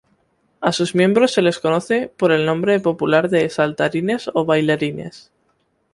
A sus miembros se les conoce por el nombre popular de saltarines, o bailarines.